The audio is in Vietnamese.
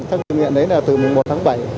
tham dự nghiện đấy là từ một mươi một tháng bảy